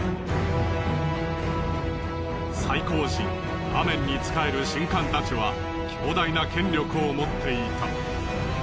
最高神アメンに仕える神官たちは強大な権力を持っていた。